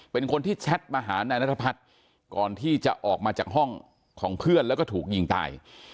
เป็นคนที่แชทมาหานายนัทพัฒน์ก่อนที่จะออกมาจากห้องของเพื่อนแล้วก็ถูกยิงตาย